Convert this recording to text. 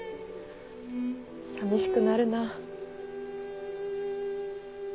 さみしくなるなぁ。